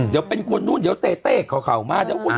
เดี๋ยวเป็นคนนู้นเดี๋ยวเต้เต้เขาเข้ามา